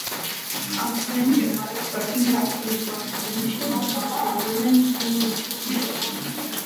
Ասենք՝ Կատյան ու Վանյուշը խոզեր են, դո՞ւ ինչ ես մտածում: